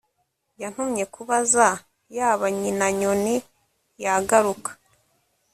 Yantumye kubaza yaba nyinanyoni yagaruka